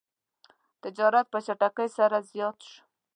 تجارت په چټکۍ سره زیات شو.